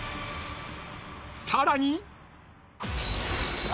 ［さらに］